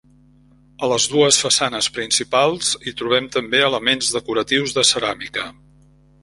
A les dues façanes principals hi trobem també elements decoratius de ceràmica.